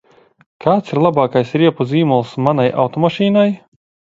Kāds ir labākais riepu zīmols manai automašīnai?